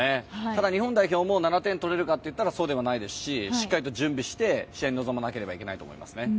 ただ、日本代表も７点取れるかといったらそうではないですししっかりと準備して試合に臨まなければいけないです。